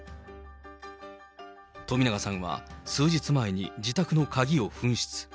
冨永さんは、数日前に自宅の鍵を紛失。